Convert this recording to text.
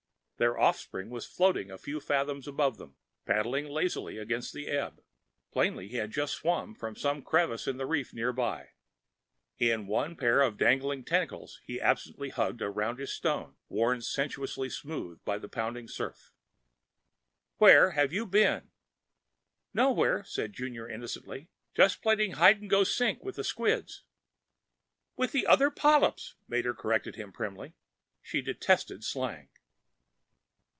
Their offspring was floating a few fathoms above them, paddling lazily against the ebb; plainly he had just swum from some crevice in the reef nearby. In one pair of dangling tentacles he absently hugged a roundish stone, worn sensuously smooth by pounding surf. "WHERE HAVE YOU BEEN?" "Nowhere," said Junior innocently. "Just playing hide and go sink with the squids." "With the other polyps," Mater corrected him primly. She detested slang.